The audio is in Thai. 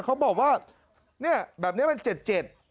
เขาบอกว่าเนี่ยแบบนี้มันเจ็ด